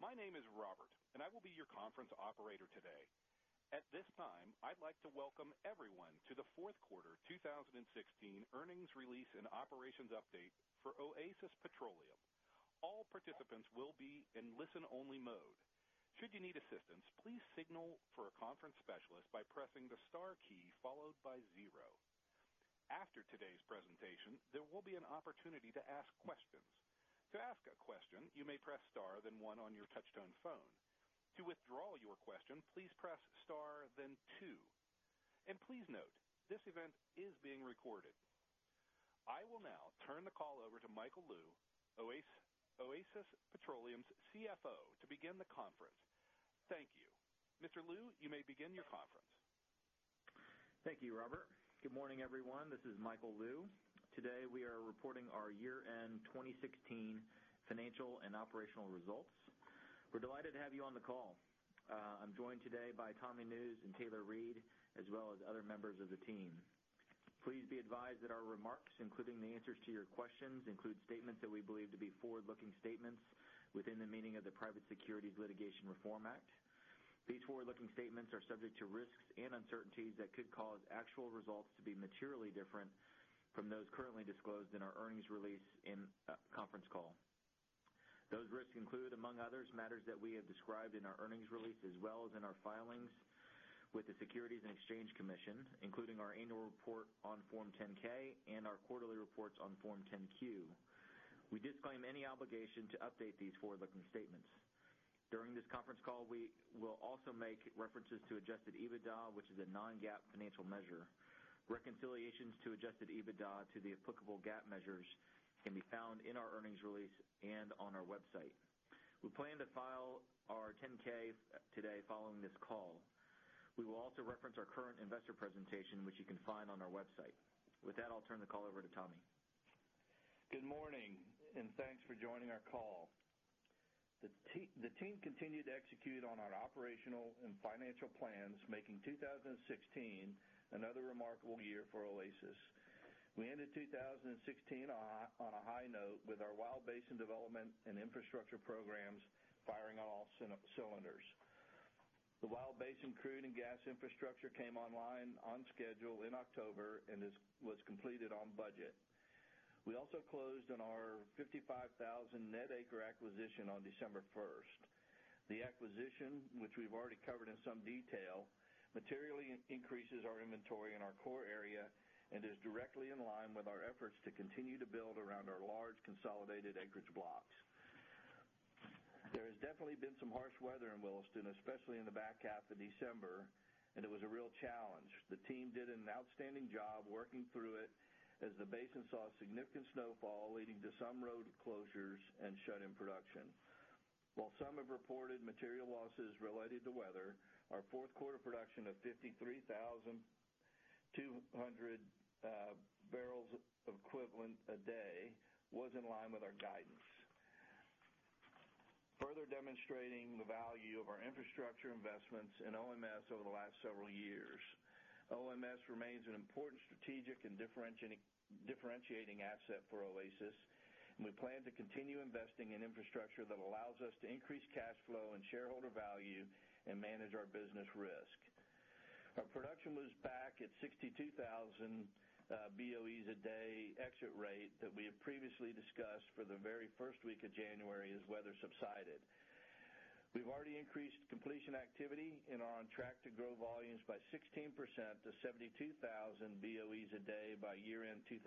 Good morning. My name is Robert, and I will be your conference operator today. At this time, I'd like to welcome everyone to the fourth quarter 2016 earnings release and operations update for Oasis Petroleum. All participants will be in listen-only mode. Should you need assistance, please signal for a conference specialist by pressing the star key followed by zero. After today's presentation, there will be an opportunity to ask questions. To ask a question, you may press star then one on your touchtone phone. To withdraw your question, please press star then two. Please note, this event is being recorded. I will now turn the call over to Michael Lou, Oasis Petroleum's CFO, to begin the conference. Thank you. Mr. Lou, you may begin your conference. Thank you, Robert. Good morning, everyone. This is Michael Lou. Today, we are reporting our year-end 2016 financial and operational results. We're delighted to have you on the call. I'm joined today by Tommy Nusz and Taylor Reid, as well as other members of the team. Please be advised that our remarks, including the answers to your questions, include statements that we believe to be forward-looking statements within the meaning of the Private Securities Litigation Reform Act. These forward-looking statements are subject to risks and uncertainties that could cause actual results to be materially different from those currently disclosed in our earnings release and conference call. Those risks include, among others, matters that we have described in our earnings release as well as in our filings with the Securities and Exchange Commission, including our annual report on Form 10-K and our quarterly reports on Form 10-Q. We disclaim any obligation to update these forward-looking statements. During this conference call, we will also make references to adjusted EBITDA, which is a non-GAAP financial measure. Reconciliations to adjusted EBITDA to the applicable GAAP measures can be found in our earnings release and on our website. We plan to file our 10-K today following this call. We will also reference our current investor presentation, which you can find on our website. With that, I'll turn the call over to Tommy. Good morning. Thanks for joining our call. The team continued to execute on our operational and financial plans, making 2016 another remarkable year for Oasis. We ended 2016 on a high note with our Wild Basin development and infrastructure programs firing on all cylinders. The Wild Basin crude and gas infrastructure came online on schedule in October and was completed on budget. We also closed on our 55,000 net acre acquisition on December 1st. The acquisition, which we've already covered in some detail, materially increases our inventory in our core area and is directly in line with our efforts to continue to build around our large consolidated acreage blocks. There has definitely been some harsh weather in Williston, especially in the back half of December. It was a real challenge. The team did an outstanding job working through it as the basin saw significant snowfall, leading to some road closures and shut-in production. While some have reported material losses related to weather, our fourth quarter production of 53,200 barrels equivalent a day was in line with our guidance. Further demonstrating the value of our infrastructure investments in OMS over the last several years. OMS remains an important strategic and differentiating asset for Oasis, and we plan to continue investing in infrastructure that allows us to increase cash flow and shareholder value and manage our business risk. Our production was back at 62,000 BOE a day exit rate that we had previously discussed for the very first week of January as weather subsided. We've already increased completion activity and are on track to grow volumes by 16% to 72,000 BOE a day by year-end 2017,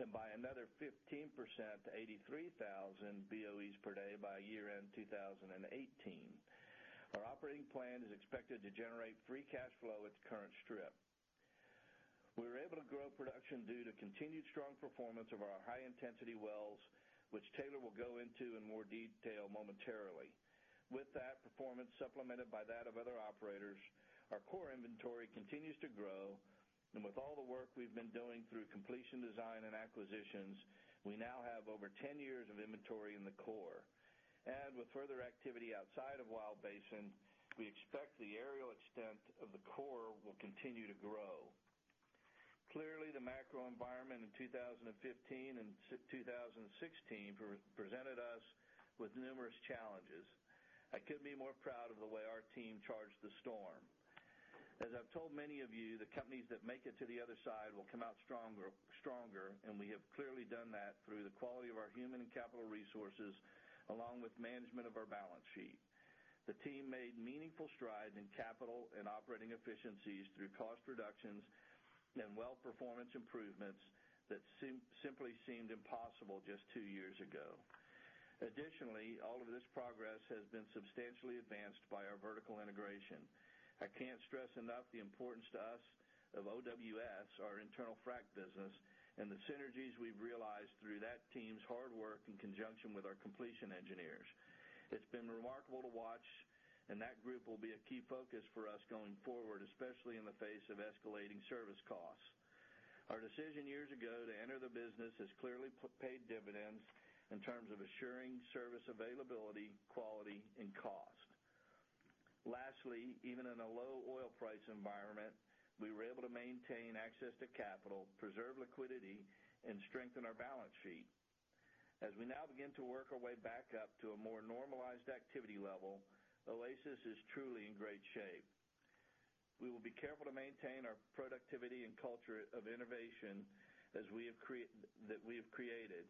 and by another 15% to 83,000 BOE per day by year-end 2018. Our operating plan is expected to generate free cash flow at the current strip. We were able to grow production due to continued strong performance of our high-intensity wells, which Taylor Reid will go into in more detail momentarily. With that performance supplemented by that of other operators, our core inventory continues to grow, and with all the work we've been doing through completion design and acquisitions, we now have over 10 years of inventory in the core. With further activity outside of Wild Basin, we expect the aerial extent of the core will continue to grow. Clearly, the macro environment in 2015 and 2016 presented us with numerous challenges. I couldn't be more proud of the way our team charged the storm. As I've told many of you, the companies that make it to the other side will come out stronger, and we have clearly done that through the quality of our human and capital resources, along with management of our balance sheet. The team made meaningful strides in capital and operating efficiencies through cost reductions and well performance improvements that simply seemed impossible just two years ago. All of this progress has been substantially advanced by our vertical integration. I can't stress enough the importance to us of OWS, our internal frack business, and the synergies we've realized through that team's hard work in conjunction with our completion engineers. It's been remarkable to watch, and that group will be a key focus for us going forward, especially in the face of escalating service costs. Our decision years ago to enter the business has clearly paid dividends in terms of assuring service availability, quality, and cost. Even in a low oil price environment, we were able to maintain access to capital, preserve liquidity, and strengthen our balance sheet. As we now begin to work our way back up to a more normalized activity level, Oasis is truly in great shape. We will be careful to maintain our productivity and culture of innovation that we have created.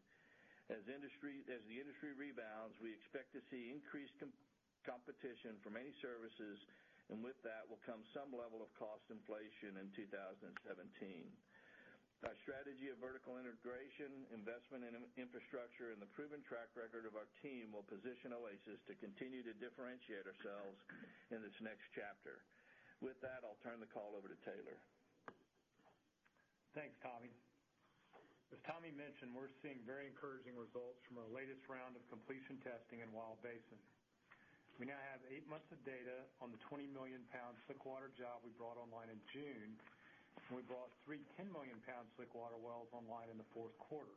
As the industry rebounds, we expect to see increased competition from many services. With that will come some level of cost inflation in 2017. Our strategy of vertical integration, investment in infrastructure, and the proven track record of our team will position Oasis to continue to differentiate ourselves in this next chapter. With that, I'll turn the call over to Taylor. Thanks, Tommy. As Tommy mentioned, we're seeing very encouraging results from our latest round of completion testing in Wild Basin. We now have eight months of data on the 20-million-pound slick water job we brought online in June, and we brought three 10-million-pound slick water wells online in the fourth quarter.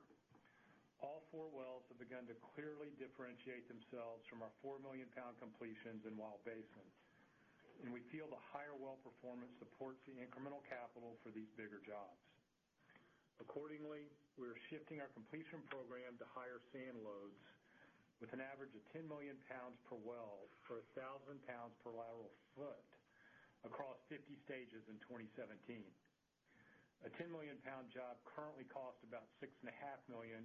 All four wells have begun to clearly differentiate themselves from our four-million-pound completions in Wild Basin, and we feel the higher well performance supports the incremental capital for these bigger jobs. Accordingly, we are shifting our completion program to higher sand loads with an average of 10 million pounds per well for 1,000 pounds per lateral foot across 50 stages in 2017. A 10-million-pound job currently costs about $6.5 million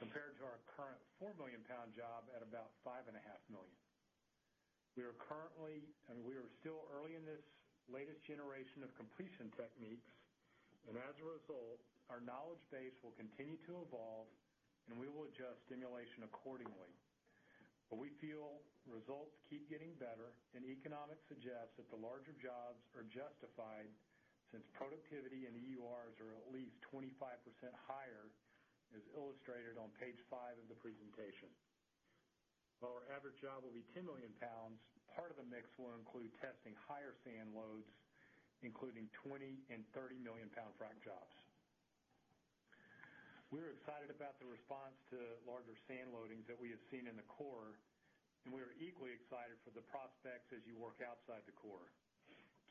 compared to our current four-million-pound job at about $5.5 million. We are still early in this latest generation of completion techniques, as a result, our knowledge base will continue to evolve, and we will adjust stimulation accordingly. We feel results keep getting better, and economics suggests that the larger jobs are justified since productivity and EURs are at least 25% higher, as illustrated on page five of the presentation. While our average job will be 20 million pounds, part of the mix will include testing higher sand loads, including 20 and 30-million-pound frac jobs. We're excited about the response to larger sand loadings that we have seen in the core, and we are equally excited for the prospects as you work outside the core.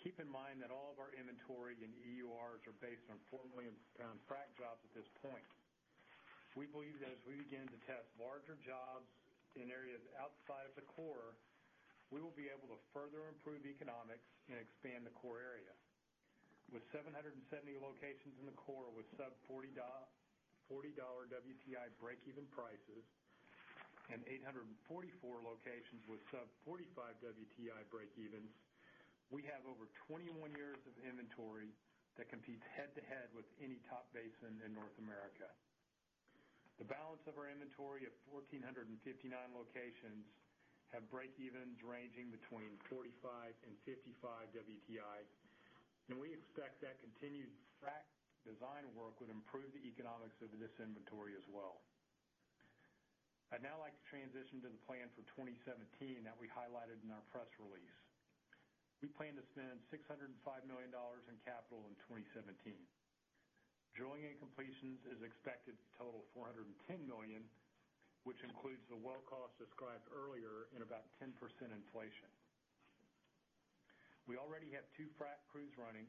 Keep in mind that all of our inventory and EURs are based on four-million-pound frac jobs at this point. We believe that as we begin to test larger jobs in areas outside of the core, we will be able to further improve economics and expand the core area. With 770 locations in the core with sub-$40 WTI breakeven prices and 844 locations with sub-$45 WTI breakevens, we have over 21 years of inventory that competes head-to-head with any top basin in North America. The balance of our inventory of 1,459 locations have breakevens ranging between $45 and $55 WTI, and we expect that continued frac design work would improve the economics of this inventory as well. I'd now like to transition to the plan for 2017 that we highlighted in our press release. We plan to spend $605 million in capital in 2017. Drilling and completions is expected to total $410 million, which includes the well cost described earlier and about 10% inflation. We already have two frac crews running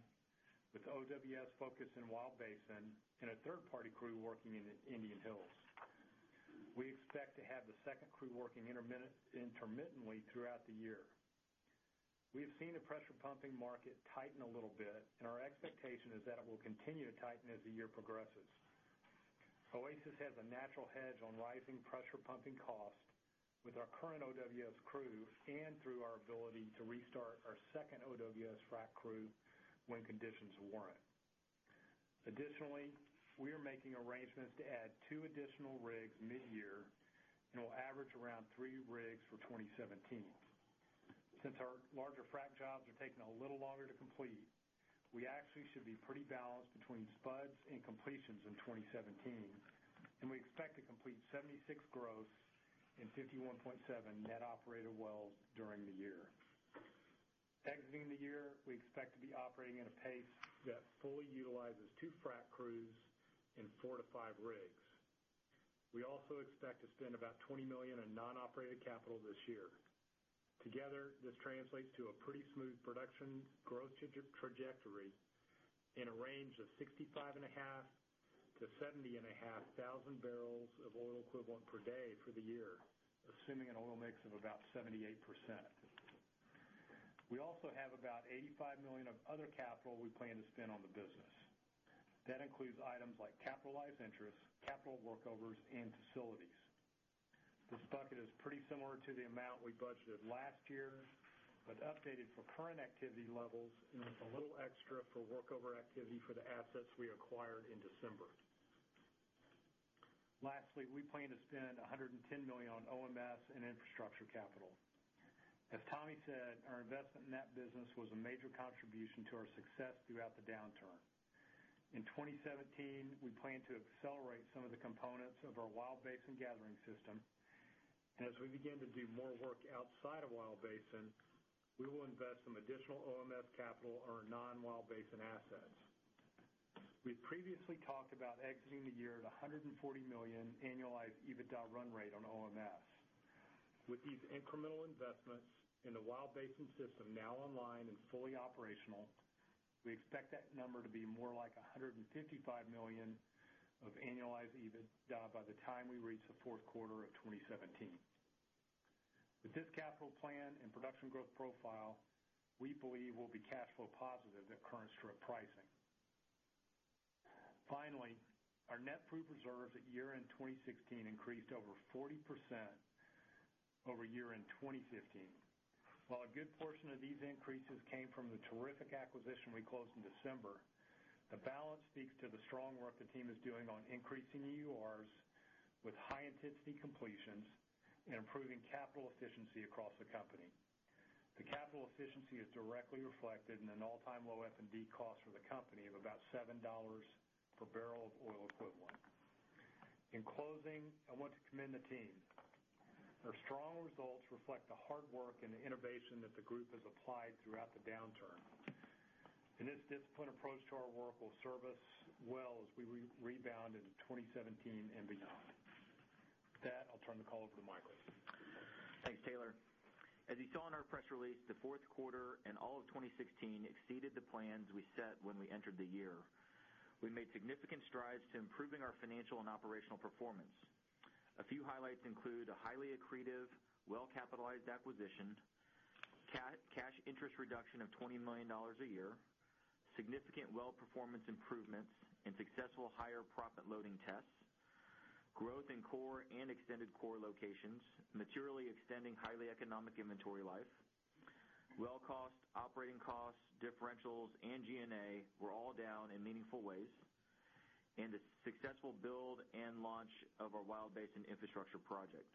with OWS focused in Wild Basin and a third-party crew working in Indian Hills. We expect to have the second crew working intermittently throughout the year. We have seen the pressure pumping market tighten a little bit, and our expectation is that it will continue to tighten as the year progresses. Oasis has a natural hedge on rising pressure pumping costs with our current OWS crew and through our ability to restart our second OWS frac crew when conditions warrant. Additionally, we are making arrangements to add two additional rigs mid-year and will average around three rigs for 2017. Since our larger frac jobs are taking a little longer to complete, we actually should be pretty balanced between spuds and completions in 2017, and we expect to complete 76 gross and 51.7 net operator wells during the year. Exiting the year, we expect to be operating at a pace that fully utilizes two frac crews and four to five rigs. We also expect to spend about $20 million in non-operated capital this year. Together, this translates to a pretty smooth production growth trajectory in a range of 65.5 thousand barrels of oil equivalent-70.5 thousand barrels of oil equivalent per day for the year, assuming an oil mix of about 78%. We also have about $85 million of other capital we plan to spend on the business. That includes items like capitalized interest, capital workovers, and facilities. This bucket is pretty similar to the amount we budgeted last year, but updated for current activity levels and with a little extra for workover activity for the assets we acquired in December. Lastly, we plan to spend $110 million on OMS and infrastructure capital. As Tommy said, our investment in that business was a major contribution to our success throughout the downturn. In 2017, we plan to accelerate some of the components of our Wild Basin gathering system. As we begin to do more work outside of Wild Basin, we will invest some additional OMS capital on our non-Wild Basin assets. We've previously talked about exiting the year at $140 million annualized EBITDA run rate on OMS. With these incremental investments in the Wild Basin system now online and fully operational, we expect that number to be more like $155 million of annualized EBITDA by the time we reach the fourth quarter of 2017. With this capital plan and production growth profile, we believe we'll be cash flow positive at current strip pricing. Finally, our net proof reserves at year-end 2016 increased over 40% over year-end 2015. While a good portion of these increases came from the terrific acquisition we closed in December, the balance speaks to the strong work the team is doing on increasing EURs with high-intensity completions and improving capital efficiency across the company. The capital efficiency is directly reflected in an all-time low F&D cost for the company of about $7 per barrel of oil equivalent. In closing, I want to commend the team. Their strong results reflect the hard work and the innovation that the group has applied throughout the downturn, and this disciplined approach to our work will serve us well as we rebound into 2017 and beyond. With that, I'll turn the call over to Michael Lou. Thanks, Taylor. As you saw in our press release, the fourth quarter and all of 2016 exceeded the plans we set when we entered the year. We made significant strides to improving our financial and operational performance. A few highlights include a highly accretive, well-capitalized acquisition, cash interest reduction of $20 million a year, significant well performance improvements, and successful higher profit loading tests, growth in core and extended core locations, materially extending highly economic inventory life. Well cost, operating cost, differentials, and G&A were all down in meaningful ways, and a successful build and launch of our Wild Basin infrastructure project.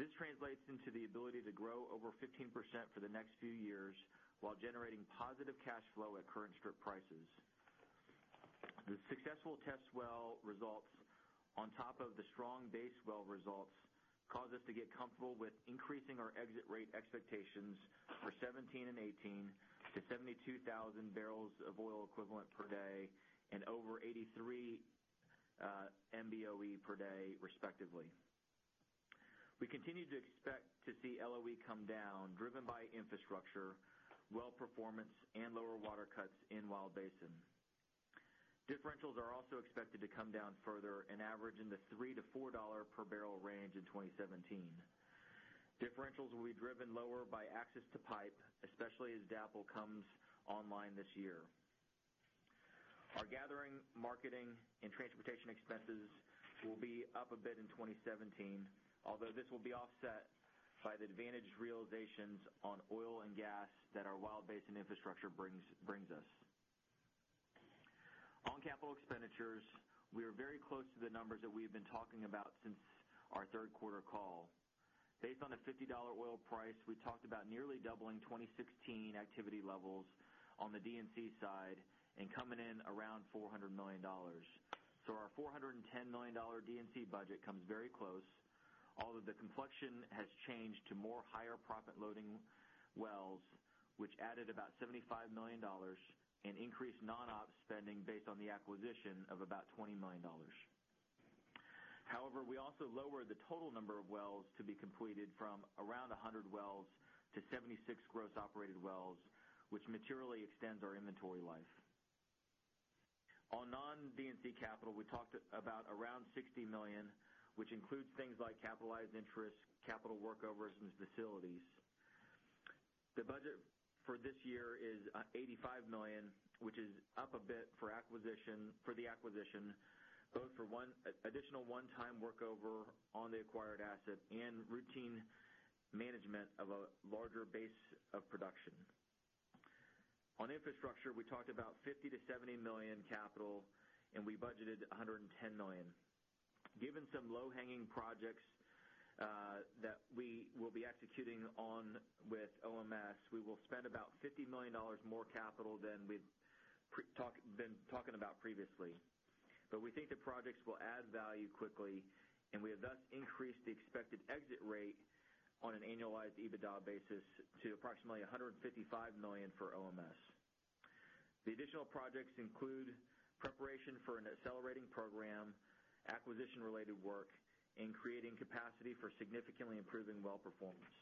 This translates into the ability to grow over 15% for the next few years while generating positive cash flow at current strip prices. The successful test well results on top of the strong base well results cause us to get comfortable with increasing our exit rate expectations for 2017 and 2018 to 72,000 barrels of oil equivalent per day and over 83 MBOE per day, respectively. We continue to expect to see LOE come down, driven by infrastructure, well performance, and lower water cuts in Wild Basin. Differentials are also expected to come down further and average in the three to four dollar per barrel range in 2017. Differentials will be driven lower by access to pipe, especially as DAPL comes online this year. Our gathering, marketing, and transportation expenses will be up a bit in 2017, although this will be offset by the advantage realizations on oil and gas that our Wild Basin infrastructure brings us. On capital expenditures, we are very close to the numbers that we have been talking about since our third quarter call. Based on a $50 oil price, we talked about nearly doubling 2016 activity levels on the D&C side and coming in around $400 million. Our $410 million D&C budget comes very close, although the complexion has changed to more higher profit loading wells, which added about $75 million and increased non-op spending based on the acquisition of about $20 million. We also lowered the total number of wells to be completed from around 100 wells to 76 gross operated wells, which materially extends our inventory life. On non-D&C capital, we talked about around $60 million, which includes things like capitalized interest, capital workovers, and facilities. The budget for this year is $85 million, which is up a bit for the acquisition, both for additional one-time workover on the acquired asset and routine management of a larger base of production. On infrastructure, we talked about $50 million to $70 million capital, and we budgeted $110 million. Given some low-hanging projects that we will be executing on with OMS, we will spend about $50 million more capital than we've been talking about previously. We think the projects will add value quickly, and we have thus increased the expected exit rate on an annualized EBITDA basis to approximately $155 million for OMS. The additional projects include preparation for an accelerating program, acquisition-related work, and creating capacity for significantly improving well performance.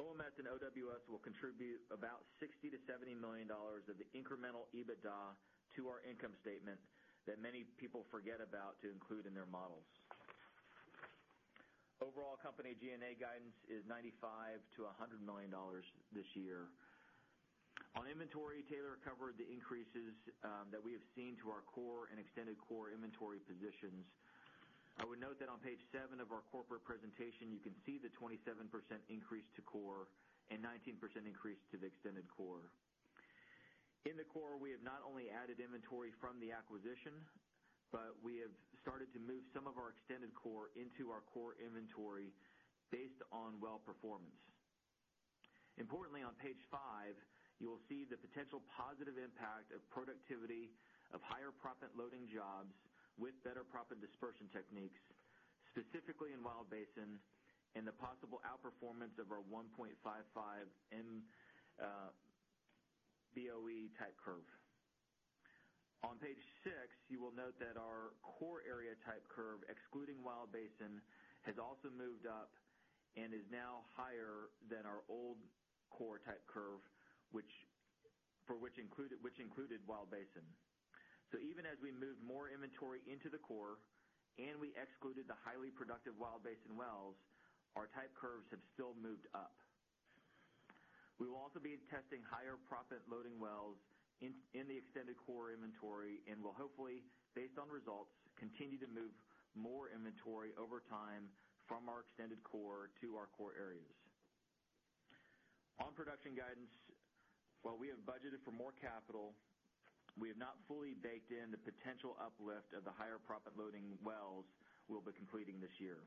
OMS and OWS will contribute about $60 million to $70 million of the incremental EBITDA to our income statement that many people forget about to include in their models. Overall company G&A guidance is $95 million to $100 million this year. On inventory, Taylor covered the increases that we have seen to our core and extended core inventory positions. I would note that on page seven of our corporate presentation, you can see the 27% increase to core and 19% increase to the extended core. In the core, we have not only added inventory from the acquisition, but we have started to move some of our extended core into our core inventory based on well performance. Importantly, on page five, you will see the potential positive impact of productivity proppant loading jobs with better proppant dispersion techniques, specifically in Wild Basin, and the possible outperformance of our 1.55 BOE type curve. On page six, you will note that our core area type curve, excluding Wild Basin, has also moved up and is now higher than our old core type curve, which included Wild Basin. Even as we moved more inventory into the core and we excluded the highly productive Wild Basin wells, our type curves have still moved up. We will also be testing higher proppant loading wells in the extended core inventory and will hopefully, based on results, continue to move more inventory over time from our extended core to our core areas. On production guidance, while we have budgeted for more capital, we have not fully baked in the potential uplift of the higher proppant loading wells we'll be completing this year.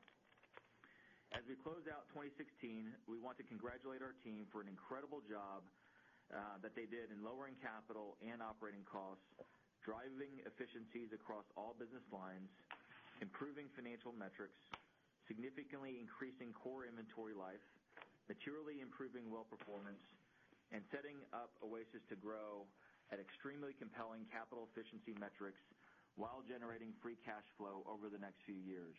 As we close out 2016, we want to congratulate our team for an incredible job that they did in lowering capital and operating costs, driving efficiencies across all business lines, improving financial metrics, significantly increasing core inventory life, materially improving well performance, and setting up Oasis to grow at extremely compelling capital efficiency metrics while generating free cash flow over the next few years.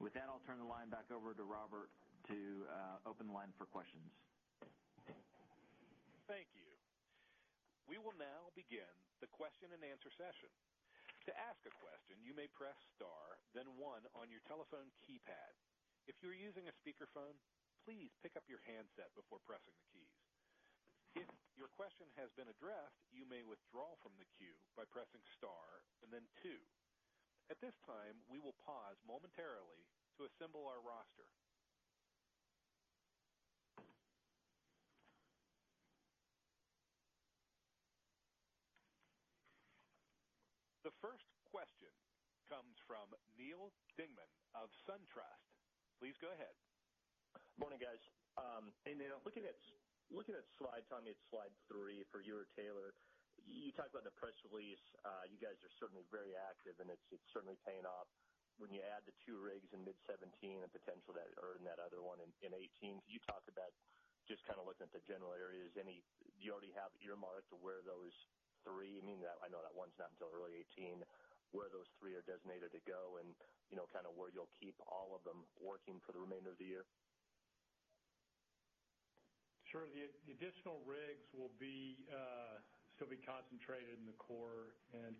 With that, I'll turn the line back over to Robert to open the line for questions. Thank you. We will now begin the question and answer session. To ask a question, you may press star then one on your telephone keypad. If you're using a speakerphone, please pick up your handset before pressing the keys. If your question has been addressed, you may withdraw from the queue by pressing star and then two. At this time, we will pause momentarily to assemble our roster. The first question comes from Neal Dingmann of SunTrust. Please go ahead. Morning, guys. Hey, Neal. Looking at slide, Tommy, it's slide three for you or Taylor. You talked about the press release. You guys are certainly very active, and it's certainly paying off. When you add the two rigs in mid 2017 and potential to add that other one in 2018, could you talk about, just looking at the general areas, do you already have earmarked to where those three, I know that one's not until early 2018, where those three are designated to go, and where you'll keep all of them working for the remainder of the year? Sure. The additional rigs will be concentrated in the core, and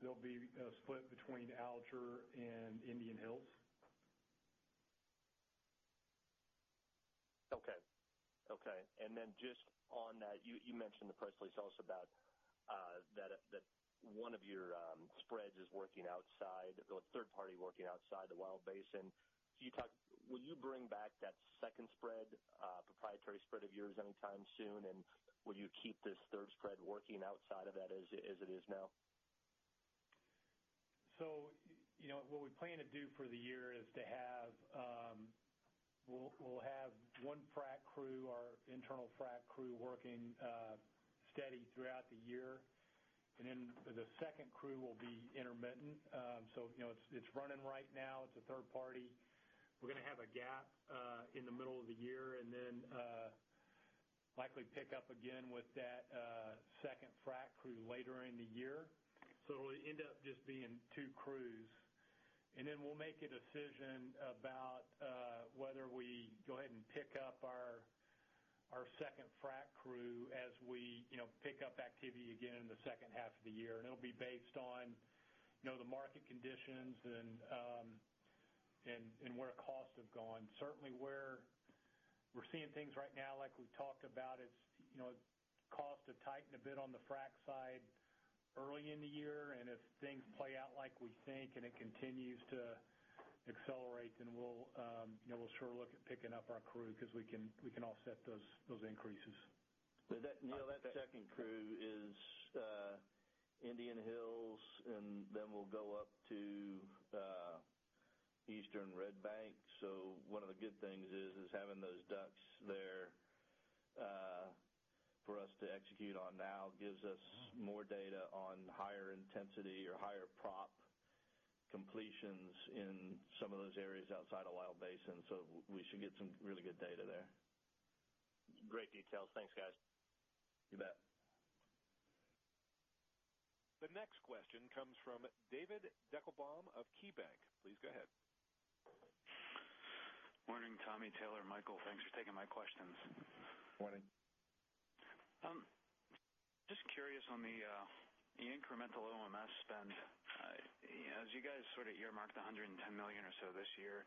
they'll be split between Alger and Indian Hills. Okay. Just on that, you mentioned the press release also about that one of your spreads is working outside, the third party working outside the Wild Basin. Will you bring back that second spread, proprietary spread of yours anytime soon, and will you keep this third spread working outside of that as it is now? What we plan to do for the year is we'll have one frac crew, our internal frac crew, working steady throughout the year, and then the second crew will be intermittent. It's running right now. It's a third party. We're going to have a gap in the middle of the year, then likely pick up again with that second frac crew later in the year. It'll end up just being two crews. Then we'll make a decision about whether we go ahead and pick up our second frac crew as we pick up activity again in the second half of the year. It'll be based on the market conditions and where costs have gone. Certainly where we're seeing things right now, like we've talked about, costs have tightened a bit on the frac side early in the year. If things play out like we think, and it continues to accelerate, we'll sure look at picking up our crew because we can offset those increases. Neal, that second crew is Indian Hills, and we'll go up to Eastern Red Bank. One of the good things is having those DUCs there for us to execute on now gives us more data on higher intensity or higher prop completions in some of those areas outside of Wild Basin. We should get some really good data there. Great details. Thanks, guys. You bet. The next question comes from David Deckelbaum of KeyBanc. Please go ahead. Morning, Tommy, Taylor, Michael. Thanks for taking my questions. Morning. Just curious on the incremental OMS spend. As you guys earmarked $110 million or so this year,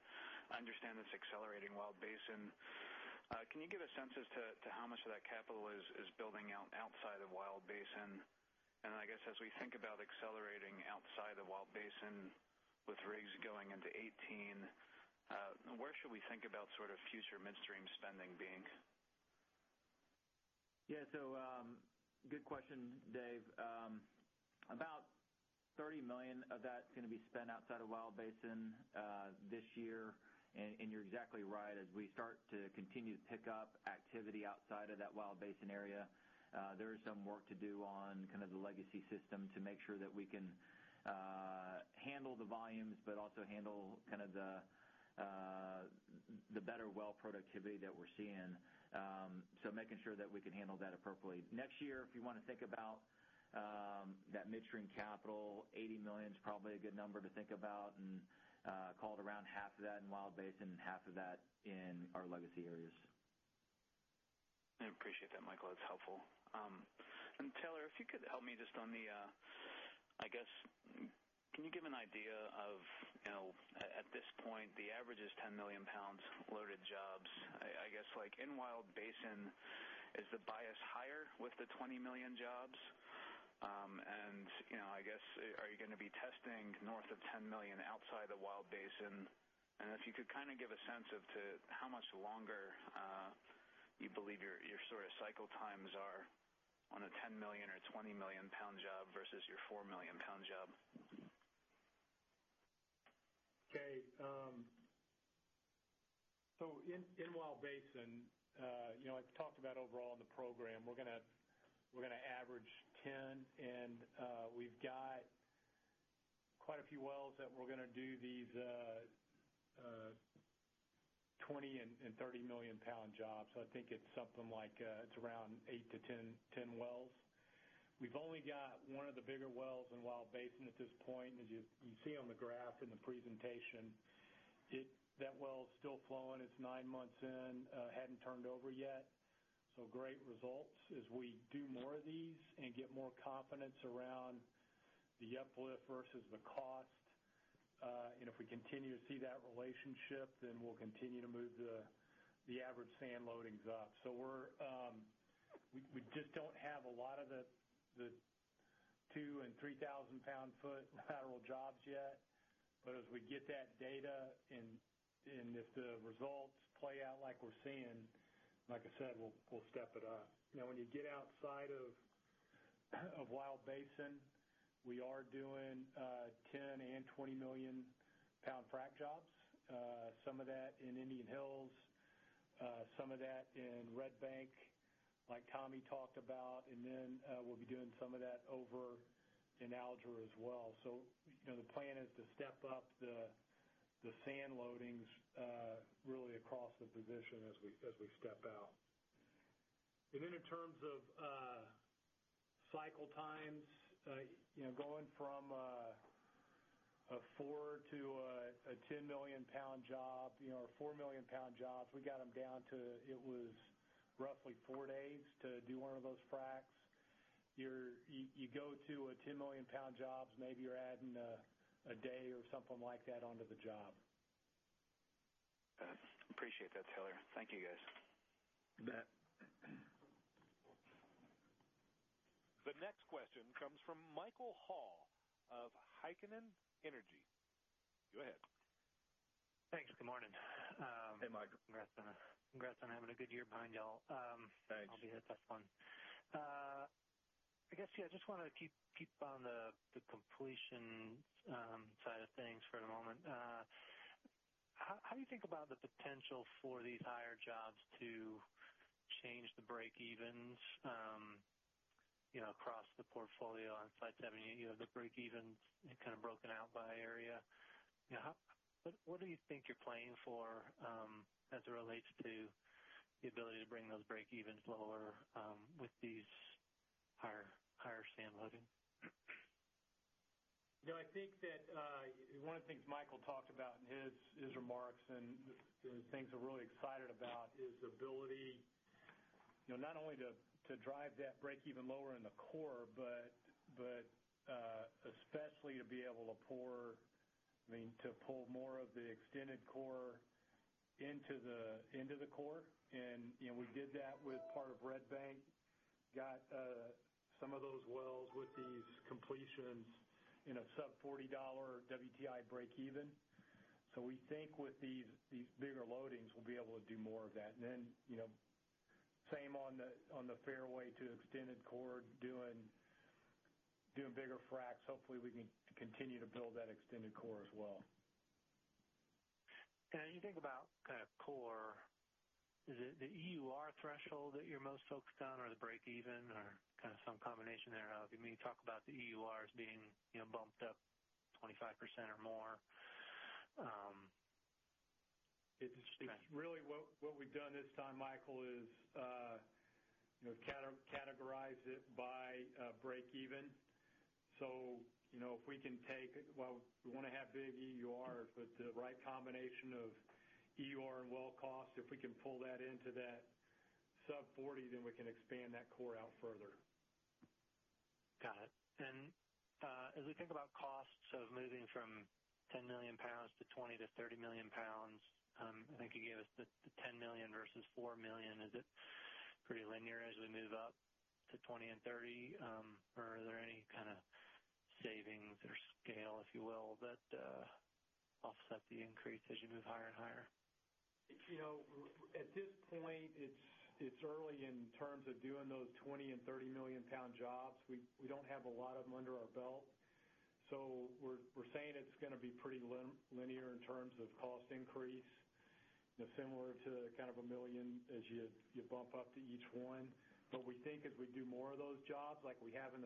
I understand it's accelerating Wild Basin. Can you give a sense as to how much of that capital is building outside of Wild Basin? Then I guess as we think about accelerating outside of Wild Basin with rigs going into 2018, where should we think about future midstream spending being? Good question, Dave. About $30 million of that is going to be spent outside of Wild Basin this year. You're exactly right. As we start to continue to pick up activity outside of that Wild Basin area, there is some work to do on the legacy system to make sure that we can handle the volumes, but also handle the better well productivity that we're seeing. Making sure that we can handle that appropriately. Next year, if you want to think about that midstream capital, $80 million is probably a good number to think about. Call it around half of that in Wild Basin and half of that in our legacy areas. I appreciate that, Michael. That's helpful. Taylor, if you could help me. Can you give an idea of, at this point, the average is 10 million pounds loaded jobs. I guess, in Wild Basin, is the bias higher with the 20 million jobs? I guess, are you going to be testing north of 10 million outside of Wild Basin? If you could give a sense of how much longer you believe your cycle times are on a 10 million or 20 million pound job versus your four million pound job. Okay. In Wild Basin, I talked about overall in the program, we're going to average 10. We've got quite a few wells that we're going to do these 20 and 30 million pound jobs. I think it's something like around 8 to 10 wells. We've only got one of the bigger wells in Wild Basin at this point. As you see on the graph in the presentation, that well's still flowing. It's nine months in, hadn't turned over yet. Great results. As we do more of these and get more confidence around the uplift versus the cost, if we continue to see that relationship, we'll continue to move the average sand loadings up. We just don't have a lot of the 2,000 and 3,000 pound foot lateral jobs yet. As we get that data, if the results play out like we're seeing, like I said, we'll step it up. When you get outside of Wild Basin, we are doing 10 and 20 million pound frack jobs. Some of that in Indian Hills, some of that in Red Bank, like Tommy talked about. We'll be doing some of that over in Alger as well. The plan is to step up the sand loadings really across the position as we step out. In terms of cycle times, going from a four to a 10 million pound job, or a four million pound job, we got them down to, it was roughly four days to do one of those fracs. You go to a 10 million pound job, maybe you're adding a day or something like that onto the job. Got it. Appreciate that, Taylor. Thank you, guys. You bet. The next question comes from Michael Hall of Heikkinen Energy. Go ahead. Thanks. Good morning. Hey, Michael. Congrats on having a good year behind y'all. Thanks. Hope you hit the fun. I guess, yeah, I just wanted to keep on the completion side of things for a moment. How do you think about the potential for these higher jobs to change the breakevens across the portfolio on Slide 78, you have the breakevens kind of broken out by area. What do you think you're playing for as it relates to the ability to bring those breakevens lower with these higher sand loading? I think that one of the things Michael talked about in his remarks, the things we're really excited about, is the ability not only to drive that breakeven lower in the core, but especially to be able to pull more of the extended core into the core. We did that with part of Red Bank, got some of those wells with these completions in a sub-$40 WTI breakeven. We think with these bigger loadings, we'll be able to do more of that. Then, same on the fairway to extended core, doing bigger fracs. Hopefully, we can continue to build that extended core as well. Is it the EUR threshold that you're most focused on, or the breakeven, or some combination thereof? You talk about the EURs being bumped up 25% or more. What we've done this time, Michael, is categorized it by breakeven. If we can take We want to have big EURs, but the right combination of EUR and well cost, if we can pull that into that sub-$40, we can expand that core out further. Got it. As we think about costs of moving from 10 million pounds to 20 million-30 million pounds, I think you gave us the 10 million versus 4 million. Is it pretty linear as we move up to 20 and 30? Are there any kind of savings or scale, if you will, that offset the increase as you move higher and higher? At this point, it's early in terms of doing those 20 million and 30 million pound jobs. We don't have a lot of them under our belt. We're saying it's going to be pretty linear in terms of cost increase, similar to kind of 1 million as you bump up to each one. We think as we do more of those jobs like we have in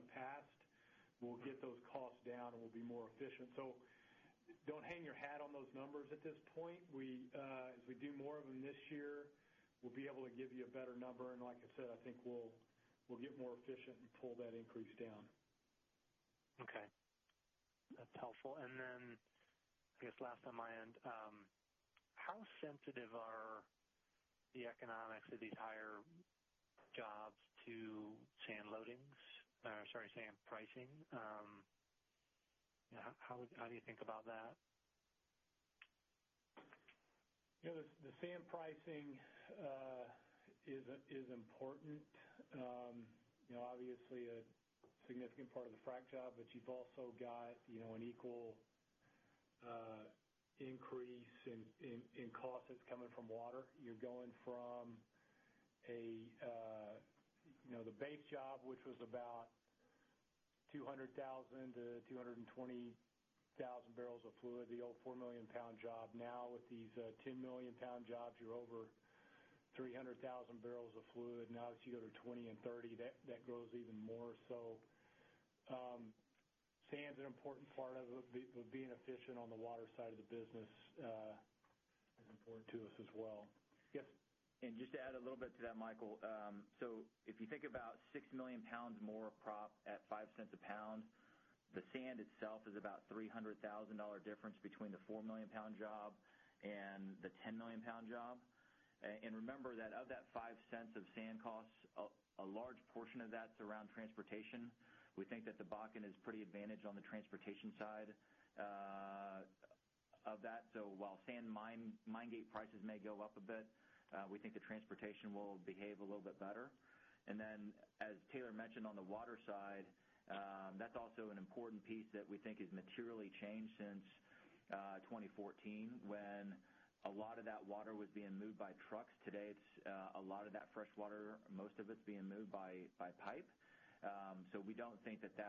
the past, we'll get those costs down, and we'll be more efficient. Don't hang your hat on those numbers at this point. As we do more of them this year, we'll be able to give you a better number, and like I said, I think we'll get more efficient and pull that increase down. Okay. That's helpful. I guess last on my end, how sensitive are the economics of these higher jobs to sand loadings? Sorry, sand pricing. How do you think about that? The sand pricing is important. Obviously, a significant part of the frac job, but you've also got an equal increase in cost that's coming from water. You're going from the base job, which was about 200,000 to 220,000 barrels of fluid, the old four million pound job. Now with these 10 million pound jobs, you're over 300,000 barrels of fluid. That you go to 20 and 30, that grows even more. Sand's an important part of it, but being efficient on the water side of the business is important to us as well. Yes, just to add a little bit to that, Michael. If you think about six million pounds more of prop at $0.05 a pound, the sand itself is about a $300,000 difference between the four million pound job and the 10 million pound job. Remember that of that $0.05 of sand costs, a large portion of that's around transportation. We think that the Bakken is pretty advantaged on the transportation side of that. While sand mine gate prices may go up a bit, we think the transportation will behave a little bit better. As Taylor mentioned on the water side, that's also an important piece that we think has materially changed since 2014 when a lot of that water was being moved by trucks. Today, a lot of that fresh water, most of it's being moved by pipe. We don't think that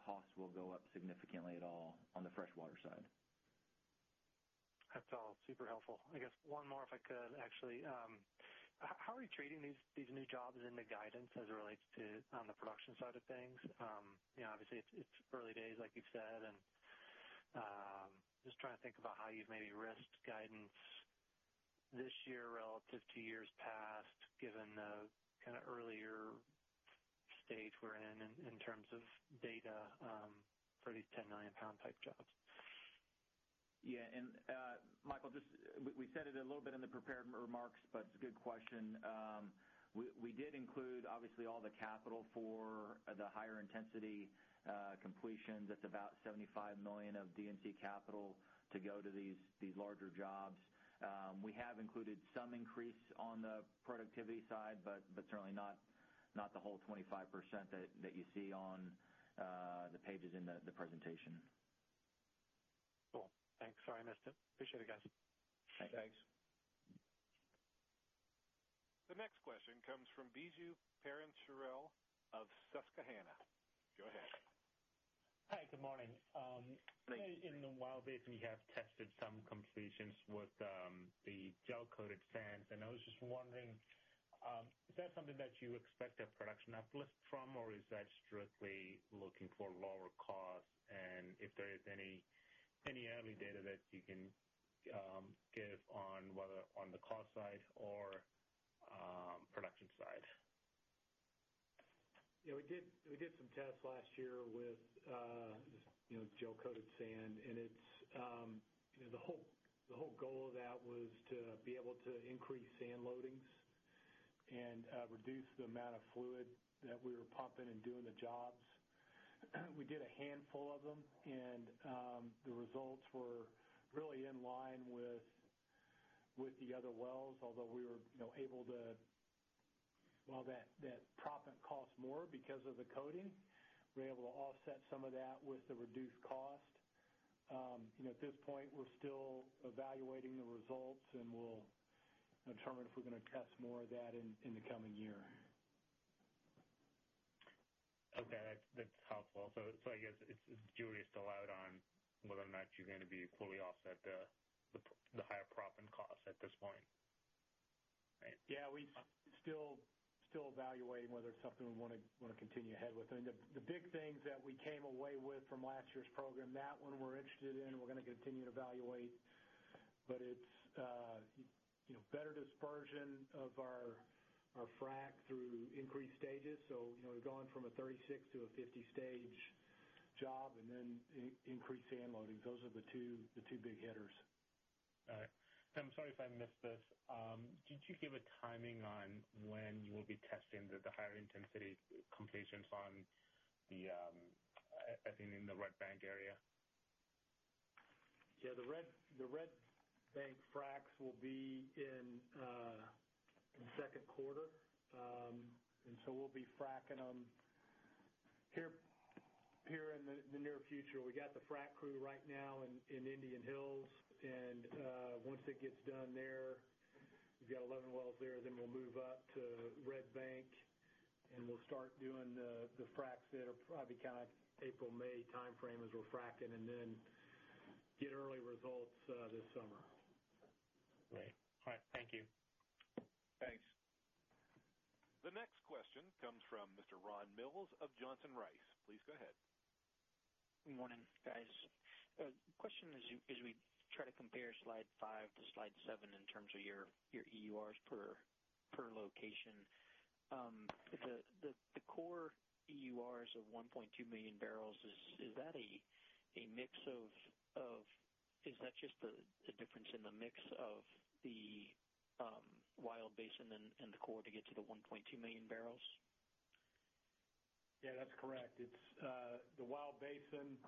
cost will go up significantly at all on the fresh water side. That's all super helpful. I guess one more if I could actually. How are you treating these new jobs in the guidance as it relates to on the production side of things? Obviously, it's early days like you've said, just trying to think about how you've maybe risked guidance this year relative to years past, given the kind of earlier stage we're in terms of data for these 10 million pound type jobs. Yeah. Michael, we said it a little bit in the prepared remarks, but it's a good question. We did include, obviously, all the capital for the higher intensity completions. That's about $75 million of D&C capital to go to these larger jobs. We have included some increase on the productivity side, but certainly not the whole 25% that you see on the pages in the presentation. Cool. Thanks. Sorry, I missed it. Appreciate it, guys. Thanks. Thanks. The next question comes from Biju Perincheril of Susquehanna. Go ahead. Hi. Good morning. Good morning. In the Wild Basin, you have tested some completions with the gel-coated sands, I was just wondering, is that something that you expect a production uplift from, or is that strictly looking for lower cost? If there is any early data that you can give on whether on the cost side or production side? We did some tests last year with gel-coated sand, the whole goal of that was to be able to increase sand loadings and reduce the amount of fluid that we were pumping and doing the jobs. We did a handful of them, the results were really in line with the other wells. Although that proppant costs more because of the coating, we were able to offset some of that with the reduced cost. At this point, we're still evaluating the results, we'll determine if we're going to test more of that in the coming year. Okay. That's helpful. I guess jury's still out on whether or not you're going to be able to fully offset the higher proppant cost at this point, right? Yeah. We're still evaluating whether it's something we want to continue ahead with. The big things that we came away with from last year's program, that one we're interested in, we're going to continue to evaluate. It's better dispersion of our frac through increased stages. We've gone from a 36 to a 50 stage job and then increased sand loadings. Those are the two big hitters. All right. I'm sorry if I missed this. Did you give a timing on when you will be testing the higher intensity completions in the Red Bank area? Yeah. The Red Bank fracs will be in second quarter. We'll be fracking them here in the near future. We got the frack crew right now in Indian Hills, and once it gets done there, we've got 11 wells there, we'll move up to Red Bank, and we'll start doing the fracks that are probably April, May timeframe as we're fracking. Get early results this summer. Great. All right. Thank you. Thanks. The next question comes from Mr. Ron Mills of Johnson Rice. Please go ahead. Good morning, guys. Question as we try to compare slide five to slide seven in terms of your EURs per location. The core EURs of 1.2 million barrels, is that just the difference in the mix of the Wild Basin and the core to get to the 1.2 million barrels? Yeah, that's correct. It's the Wild Basin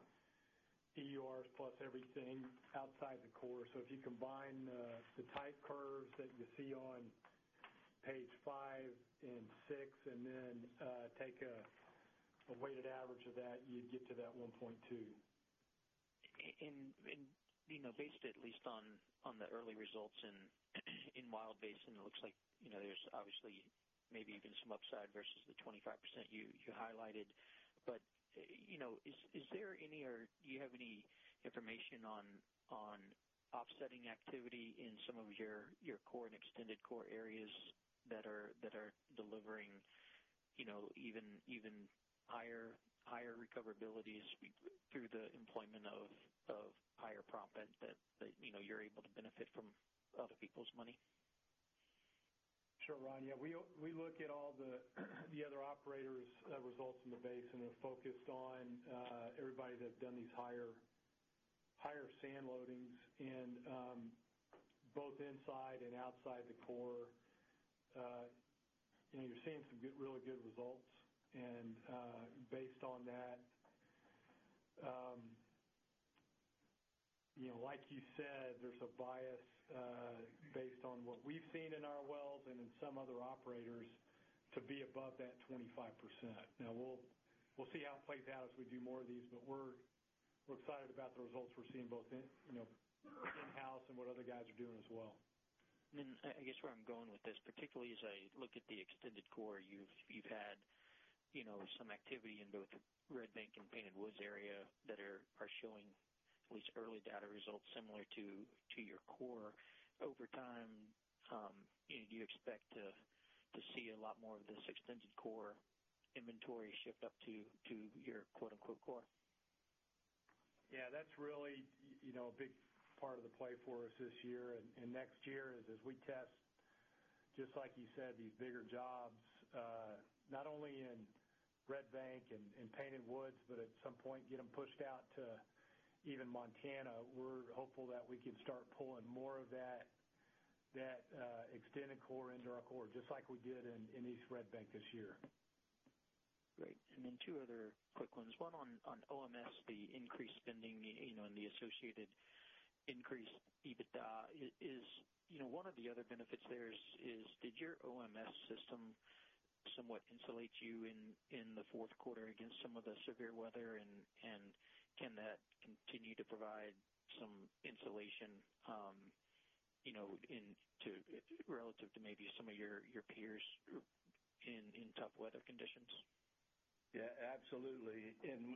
EURs plus everything outside the core. If you combine the type curves that you see on page five and six, take a weighted average of that, you'd get to that 1.2. Based at least on the early results in Wild Basin, it looks like there's obviously maybe even some upside versus the 25% you highlighted. Do you have any information on offsetting activity in some of your core and extended core areas that are delivering even higher recoverabilities through the employment of higher proppant that you're able to benefit from other people's money? Sure, Ron. Yeah, we look at all the other operators' results in the basin. We're focused on everybody that's done these higher sand loadings both inside and outside the core. You're seeing some really good results. Based on that, like you said, there's a bias based on what we've seen in our wells and in some other operators to be above that 25%. Now, we'll see how it plays out as we do more of these, we're excited about the results we're seeing both in-house and what other guys are doing as well. I guess where I'm going with this, particularly as I look at the extended core, you've had some activity in both Red Bank and Painted Woods area that are showing at least early data results similar to your core over time. Do you expect to see a lot more of this extended core inventory shift up to your "core? Yeah, that's really a big part of the play for us this year and next year, is as we test, just like you said, these bigger jobs. Not only in Red Bank and Painted Woods, but at some point, get them pushed out to even Montana. We're hopeful that we can start pulling more of that extended core into our core, just like we did in East Red Bank this year. Great. Then two other quick ones. One on OMS, the increased spending, and the associated increased EBITDA. One of the other benefits there is, did your OMS system somewhat insulate you in the fourth quarter against some of the severe weather? Can that continue to provide some insulation relative to maybe some of your peers in tough weather conditions? Yeah, absolutely.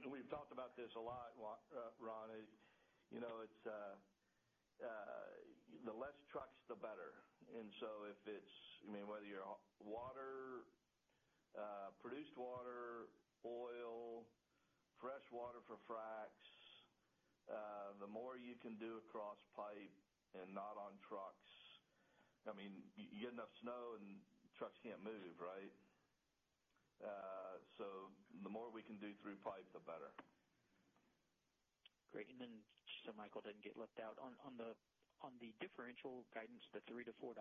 We've talked about this a lot, Ron. The less trucks, the better. Whether you're water, produced water, oil, fresh water for fracs, the more you can do across pipe and not on trucks. You get enough snow, and trucks can't move. The more we can do through pipe, the better. Great. Then just so Michael doesn't get left out. On the differential guidance, the $3-$4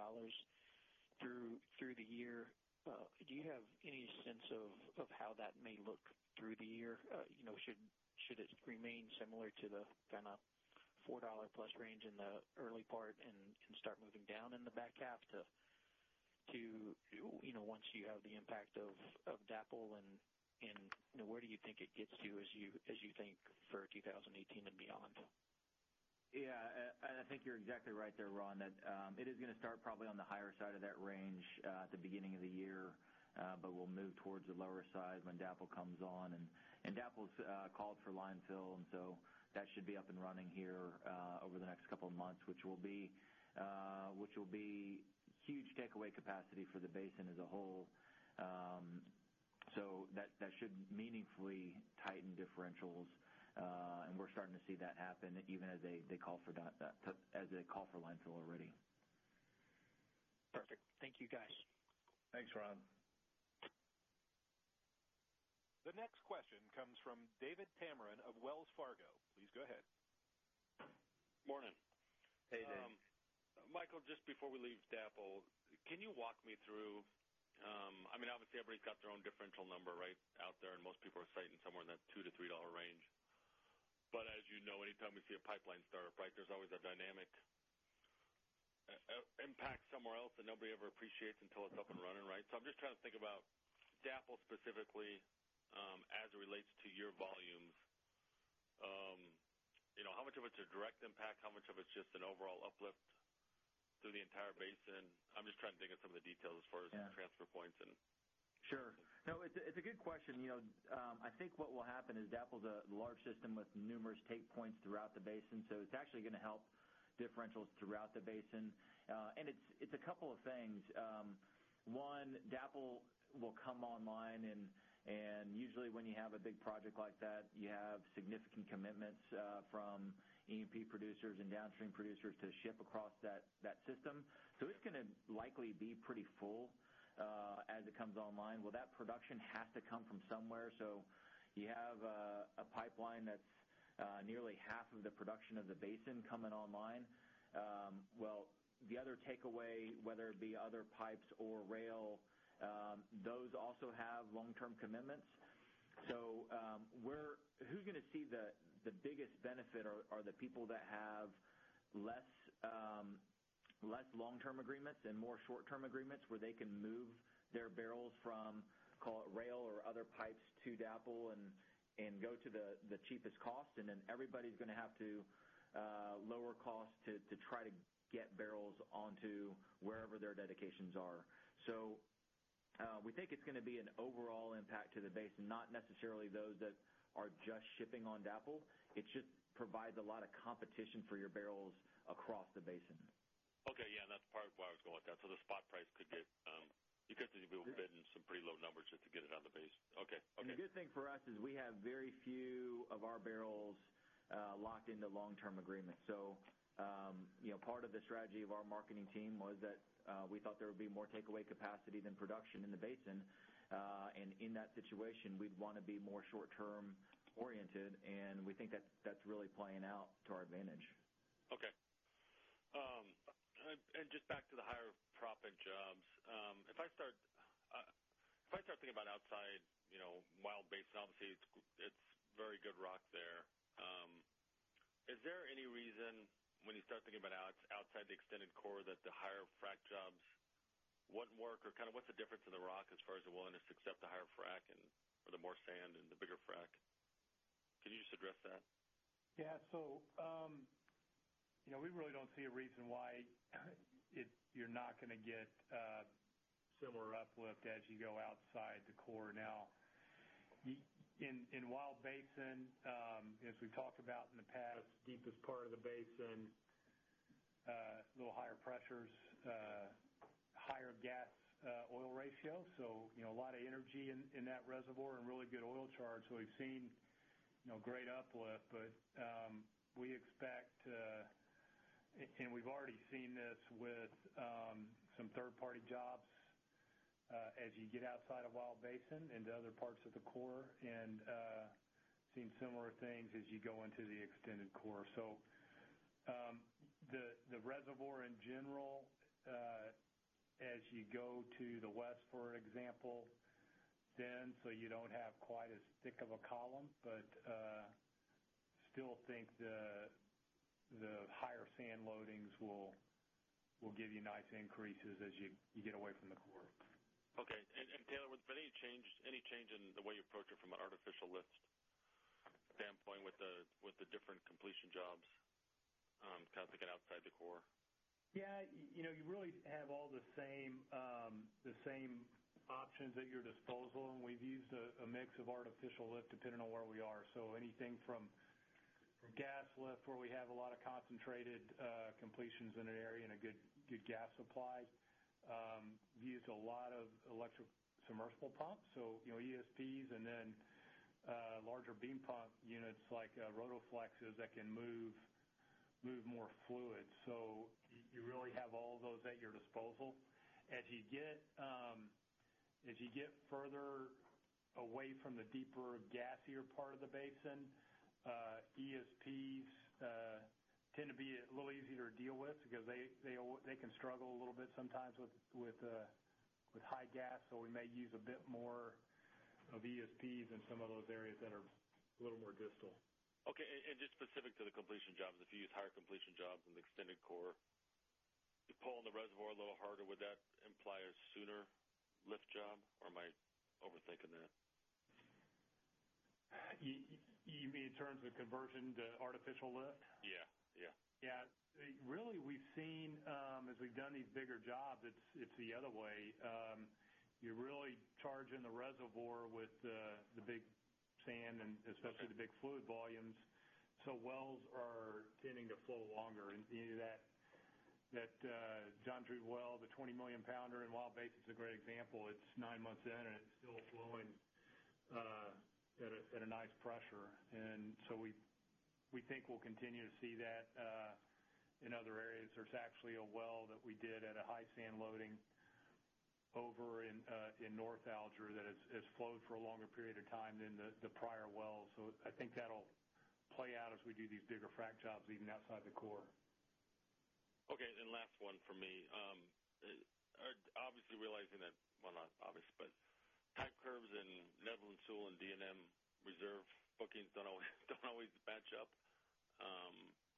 through the year, do you have any sense of how that may look through the year? Should it remain similar to the $4+ range in the early part, can start moving down in the back half to once you have the impact of DAPL, where do you think it gets to as you think for 2018 and beyond? Yeah, I think you're exactly right there, Ron, that it is gonna start probably on the higher side of that range at the beginning of the year. We'll move towards the lower side when DAPL comes on, DAPL's called for line fill, that should be up and running here over the next couple of months, which will be huge takeaway capacity for the basin as a whole. That should meaningfully tighten differentials. We're starting to see that happen even as they call for line fill already. Perfect. Thank you, guys. Thanks, Ron. The next question comes from David Tameron of Wells Fargo. Please go ahead. Morning. Hey, Dave. Michael, just before we leave DAPL, can you walk me through $2-$3 range. As you know, anytime we see a pipeline start up, there's always a dynamic impact somewhere else that nobody ever appreciates until it's up and running. I'm just trying to think about DAPL specifically, as it relates to your volumes. How much of it's a direct impact? How much of it's just an overall uplift through the entire basin? I'm just trying to think of some of the details as far as Yeah transfer points and Sure. No, it's a good question. I think what will happen is, DAPL's a large system with numerous take points throughout the basin, so it's actually going to help differentials throughout the basin. It's a couple of things. One, DAPL will come online and usually when you have a big project like that, you have significant commitments from E&P producers and downstream producers to ship across that system. It's going to likely be pretty full as it comes online. Well, that production has to come from somewhere. You have a pipeline that's nearly half of the production of the basin coming online. Well, the other takeaway, whether it be other pipes or rail, those also have long-term commitments. Who's going to see the biggest benefit are the people that have less long-term agreements and more short-term agreements, where they can move their barrels from, call it rail or other pipes to DAPL, and go to the cheapest cost. Everybody's going to have to lower cost to try to get barrels onto wherever their dedications are. We think it's going to be an overall impact to the basin, not necessarily those that are just shipping on DAPL. It just provides a lot of competition for your barrels across the basin. Okay. That's part of why I was going with that. You could be bidding some pretty low numbers just to get it on the base. Okay. The good thing for us is we have very few of our barrels locked into long-term agreements. Part of the strategy of our marketing team was that we thought there would be more takeaway capacity than production in the basin. In that situation, we'd want to be more short-term oriented, and we think that's really playing out to our advantage. Okay. Just back to the higher proppant jobs. If I start thinking about outside Wild Basin, obviously it's very good rock there. Is there any reason when you start thinking about outside the extended core, that the higher frac jobs wouldn't work? What's the difference in the rock as far as the willingness to accept the higher frac or the more sand and the bigger frac? Can you just address that? Yeah. We really don't see a reason why you're not going to get similar uplift as you go outside the core now. In Wild Basin, as we've talked about in the past, deepest part of the basin, a little higher pressures, higher gas-oil ratio. A lot of energy in that reservoir and really good oil charge. We've seen great uplift, but we expect to. We've already seen this with some third-party jobs, as you get outside of Wild Basin into other parts of the core, and seen similar things as you go into the extended core. The reservoir in general, as you go to the west, for example, you don't have quite as thick of a column, but still think the higher sand loadings will give you nice increases as you get away from the core. Okay. Taylor, with any change in the way you approach it from an artificial lift standpoint with the different completion jobs, thinking outside the core? Yeah. You really have all the same options at your disposal. We've used a mix of artificial lift depending on where we are. Anything from gas lift, where we have a lot of concentrated completions in an area and a good gas supply. We use a lot of electric submersible pumps. ESPs and then larger beam pump units like Rotaflex that can move more fluid. You really have all of those at your disposal. As you get further away from the deeper gassier part of the basin, ESPs tend to be a little easier to deal with because they can struggle a little bit sometimes with high gas. We may use a bit more of ESPs in some of those areas that are a little more distal. Okay, just specific to the completion jobs, if you use higher completion jobs in the extended core, you pull on the reservoir a little harder. Would that imply a sooner lift job, or am I overthinking that? You mean in terms of conversion to artificial lift? Yeah. Yeah. Really, we've seen, as we've done these bigger jobs, it's the other way. You're really charging the reservoir with the big sand, and especially the big fluid volumes. Wells are tending to flow longer. That John Drew well, the 20 million pounder in Wild Basin's a great example. It's nine months in, and it's still flowing at a nice pressure. We think we'll continue to see that in other areas. There's actually a well that we did at a high sand loading over in North Alger that has flowed for a longer period of time than the prior wells. I think that'll play out as we do these bigger frac jobs, even outside the core. Last one for me. Obviously realizing that, well, not obvious, but type curves in Netherland, Sewell, and D&M reserve bookings don't always match up,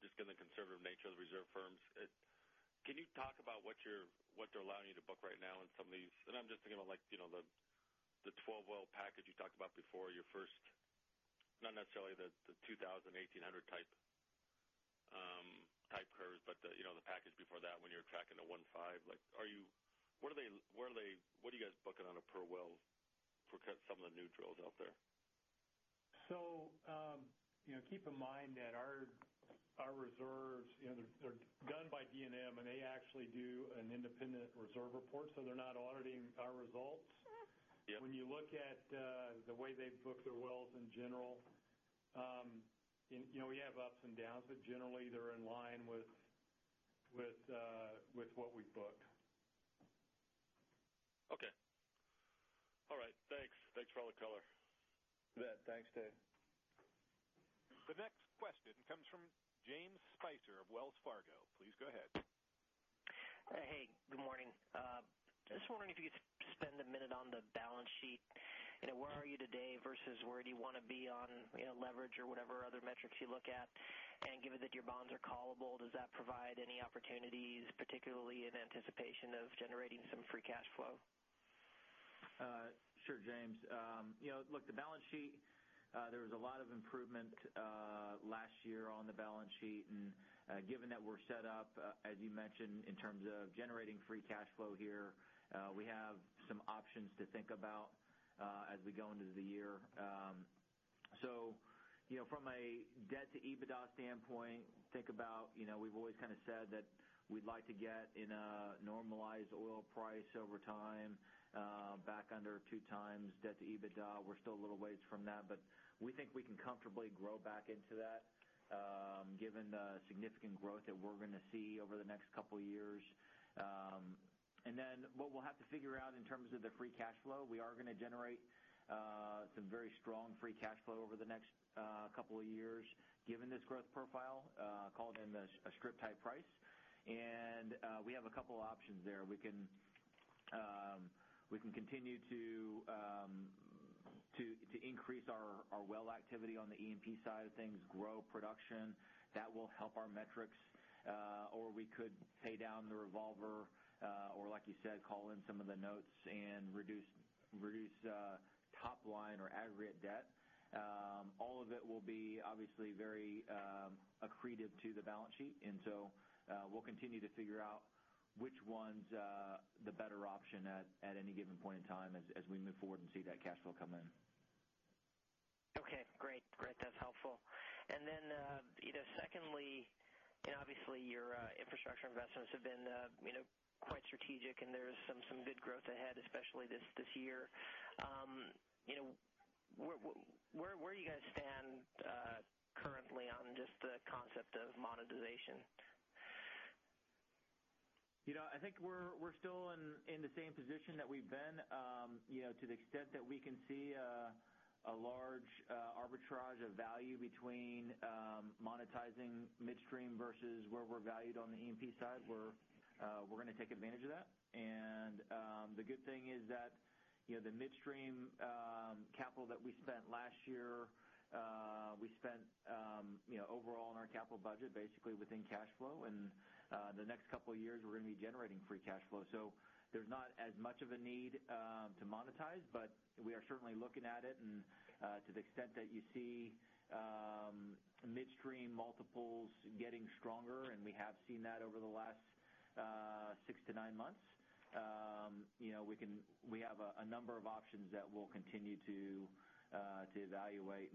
just given the conservative nature of the reserve firms. Can you talk about what they're allowing you to book right now in some of these I'm just thinking of the 12-well package you talked about before, your first, not necessarily the 2,000, 1,800 type curves, but the package before that when you were tracking the one five. What are you guys booking on a per well for some of the new drills out there? Keep in mind that our reserves, they're done by D&M, and they actually do an independent reserve report, so they're not auditing our results. Yeah. When you look at the way they book their wells in general, we have ups and downs, but generally, they're in line with what we've booked. Okay. All right. Thanks. Thanks for all the color. You bet. Thanks, Dave. The next question comes from James Spicer of Wells Fargo. Please go ahead. Hey, good morning. Just wondering if you could spend a minute on the balance sheet. Where are you today versus where do you want to be on leverage or whatever other metrics you look at? Given that your bonds are callable, does that provide any opportunities, particularly in anticipation of generating some free cash flow? Sure, James. Look, the balance sheet, there was a lot of improvement last year on the balance sheet. Given that we're set up, as you mentioned, in terms of generating free cash flow here, we have some options to think about as we go into the year. From a debt-to-EBITDA standpoint, think about, we've always said that we'd like to get in a normalized oil price over time, back under two times debt-to-EBITDA. We're still a little ways from that, but we think we can comfortably grow back into that given the significant growth that we're going to see over the next couple of years. What we'll have to figure out in terms of the free cash flow, we are going to generate some very strong free cash flow over the next couple of years given this growth profile, call it in a strip type price. We have a couple of options there. We can continue to increase our well activity on the E&P side of things, grow production. That will help our metrics. We could pay down the revolver, or like you said, call in some of the notes and reduce top line or aggregate debt. All of it will be obviously very accretive to the balance sheet. We'll continue to figure out which one's the better option at any given point in time as we move forward and see that cash flow come in. Okay, great. That's helpful. Secondly, obviously your infrastructure investments have been quite strategic, there's some good growth ahead, especially this year. Where do you guys stand currently on just the concept of monetization? I think we're still in the same position that we've been. To the extent that we can see a large arbitrage of value between monetizing midstream versus where we're valued on the E&P side, we're going to take advantage of that. The good thing is that the midstream capital that we spent last year, we spent overall on our capital budget, basically within cash flow. The next couple of years, we're going to be generating free cash flow. There's not as much of a need to monetize, but we are certainly looking at it. To the extent that you see midstream multiples getting stronger, and we have seen that over the last 6 to 9 months, we have a number of options that we'll continue to evaluate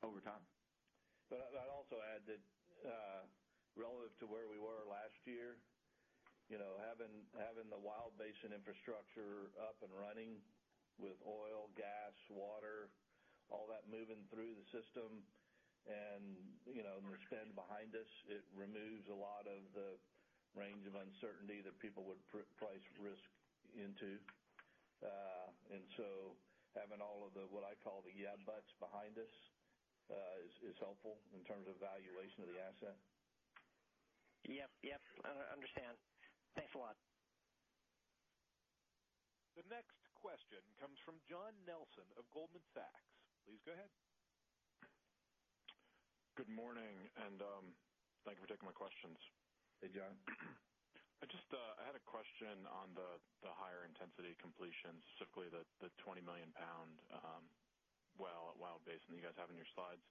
over time. I'd also add that relative to where we were last year, having the Wild Basin infrastructure up and running with oil, gas, water, all that moving through the system and the spend behind us, it removes a lot of the range of uncertainty that people would price risk into. Having all of the, what I call the yeah, buts behind us is helpful in terms of valuation of the asset. Yep. I understand. Thanks a lot. The next question comes from John Nelson of Goldman Sachs. Please go ahead. Good morning, thank you for taking my questions. Hey, John. I had a question on the higher intensity completions, specifically the 20 million pound well at Wild Basin that you guys have in your slides.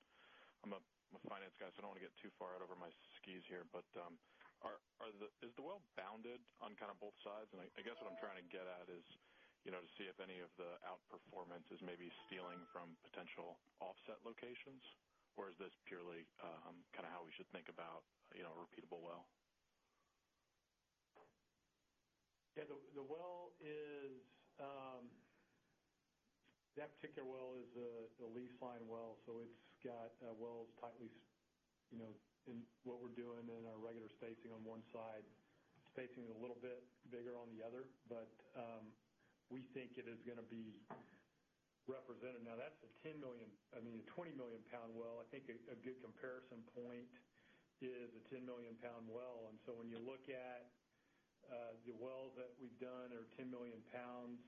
I'm a finance guy, so I don't want to get too far out over my skis here, but is the well bounded on both sides? I guess what I'm trying to get at is to see if any of the outperformance is maybe stealing from potential offset locations, or is this purely how we should think about a repeatable well? That particular well is a lease line well, so it's got wells tightly in our regular spacing on one side, spacing a little bit bigger on the other. We think it is going to be represented. Now that's a 20 million pound well. I think a good comparison point is a 10 million pound well. So when you look at the wells that we've done are 10 million pounds,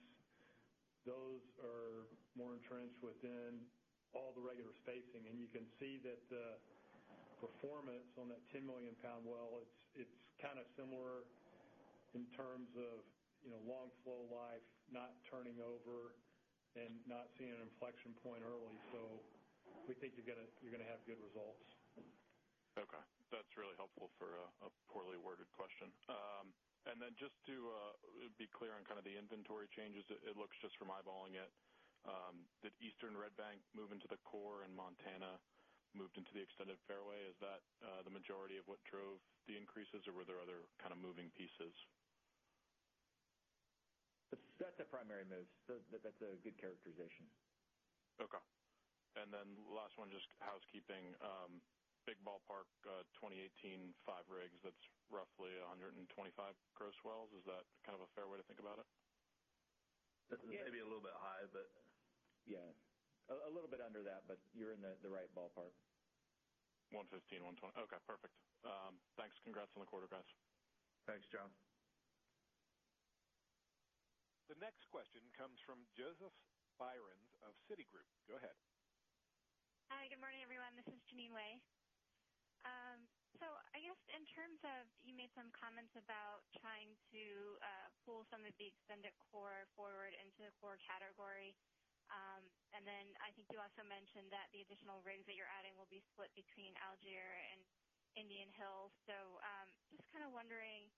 those are more entrenched within all the regular spacing. You can see that the performance on that 10 million pound well, it's kind of similar in terms of long flow life, not turning over, and not seeing an inflection point early. We think you're going to have good results. Okay. That's really helpful for a poorly worded question. Just to be clear on the inventory changes, it looks just from eyeballing it, did Eastern Red Bank move into the core and Montana moved into the extended fairway? Is that the majority of what drove the increases, or were there other kind of moving pieces? That's the primary move, that's a good characterization. Okay. Last one, just housekeeping. Big ballpark, 2018, five rigs, that's roughly 125 gross wells. Is that kind of a fair way to think about it? Maybe a little bit high. Yeah. A little bit under that, but you're in the right ballpark. 115, okay, perfect. Thanks. Congrats on the quarter, guys. Thanks, John. The next question comes from Joseph Allman of Citigroup. Go ahead. Hi, good morning, everyone. This is Janine Stichter. I guess in terms of, you made some comments about trying to pull some of the extended core forward into the core category. I think you also mentioned that the additional rigs that you're adding will be split between Alger and Indian Hills. Just kind of wondering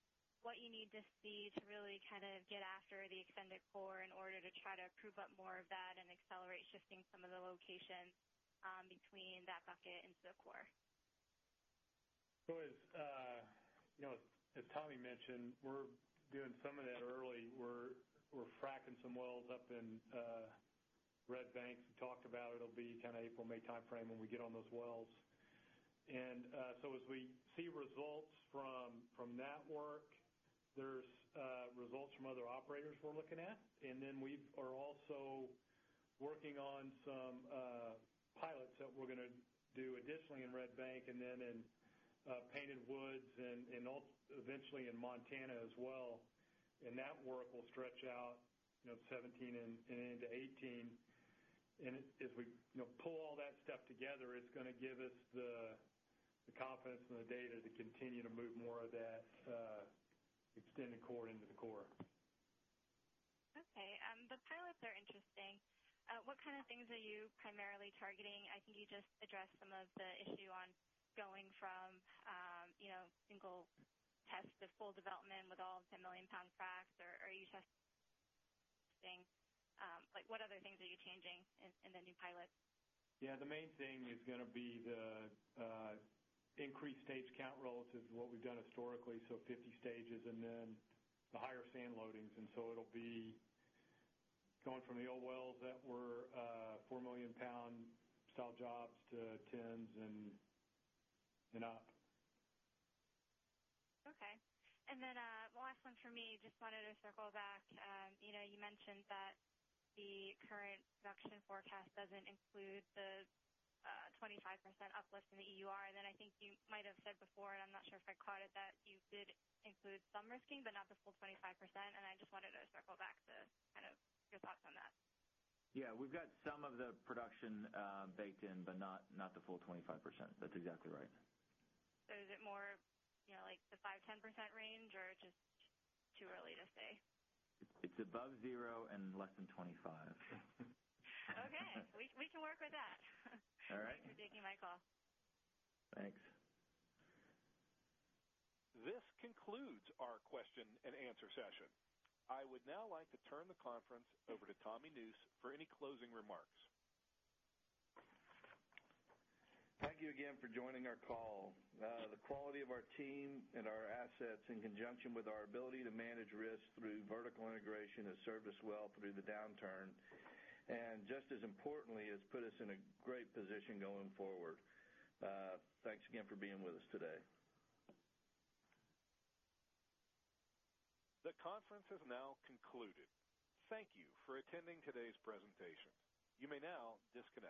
what you need to see to really get after the extended core in order to try to prove up more of that and accelerate shifting some of the locations between that bucket into the core. As Tommy mentioned, we're doing some of that early. We're fracking some wells up in Red Bank. We talked about it'll be April, May timeframe when we get on those wells. As we see results from that work, there's results from other operators we're looking at. We are also working on some pilots that we're going to do additionally in Red Bank, and then in Painted Woods, and eventually in Montana as well. That work will stretch out 2017 and into 2018. As we pull all that stuff together, it's going to give us the confidence and the data to continue to move more of that extended core into the core. Okay. The pilots are interesting. What kind of things are you primarily targeting? I think you just addressed some of the issue on going from single test to full development with all 10 million pound fracs. What other things are you changing in the new pilot? Yeah, the main thing is going to be the increased stage count relative to what we've done historically, 50 stages, and then the higher sand loadings. It'll be going from the old wells that were four million pound frac jobs to 10s and up. Okay. Last one for me, just wanted to circle back. You mentioned that the current production forecast doesn't include the 25% uplift in the EUR. I think you might have said before, and I'm not sure if I caught it, that you did include some risking, but not the full 25%. I just wanted to circle back to your thoughts on that. Yeah. We've got some of the production baked in, but not the full 25%. That's exactly right. Is it more like the 5%-10% range, or just too early to say? It's above zero and less than 25. Okay. We can work with that. All right. Thank you for taking my call. Thanks. This concludes our question and answer session. I would now like to turn the conference over to Tommy Nusz for any closing remarks. Thank you again for joining our call. The quality of our team and our assets, in conjunction with our ability to manage risk through vertical integration, has served us well through the downturn. Just as importantly, has put us in a great position going forward. Thanks again for being with us today. The conference has now concluded. Thank you for attending today's presentation. You may now disconnect.